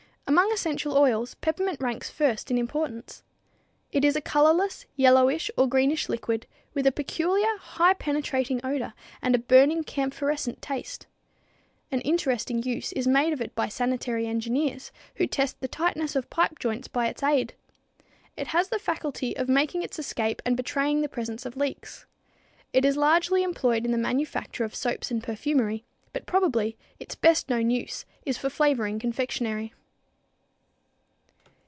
Among essential oils, peppermint ranks first in importance. It is a colorless, yellowish or greenish liquid, with a peculiar, highly penetrating odor and a burning, camphorescent taste. An interesting use is made of it by sanitary engineers, who test the tightness of pipe joints by its aid. It has the faculty of making its escape and betraying the presence of leaks. It is largely employed in the manufacture of soaps and perfumery, but probably its best known use is for flavoring confectionery.